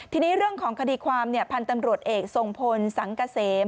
ทีนี้เรื่องของคดีความพันธ์ตำรวจเอกทรงพลสังเกษม